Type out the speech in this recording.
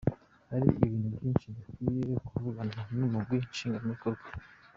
"Hari ibintu vyinshi dukwiye kuvugana n'umugwi nshingwabikogwa.